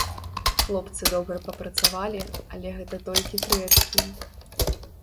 Хлопцы добра папрацавалі, але гэта толькі тры ачкі.